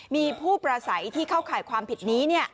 มีผู้ประสัยที่เข้าข่ายความผิดนี้